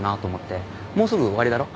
もうすぐ終わりだろ？